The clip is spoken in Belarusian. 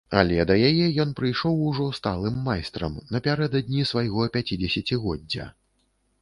Але да яе ён прыйшоў ужо сталым майстрам, напярэдадні свайго пяцідзесяцігоддзя.